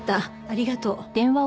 ありがとう。